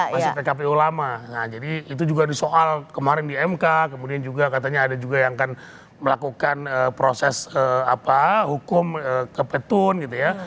masih pkpu lama jadi itu juga di soal kemarin di mk kemudian juga katanya ada juga yang akan melakukan proses apa hukum ke petun gitu ya